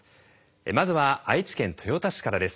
まずは愛知県豊田市からです。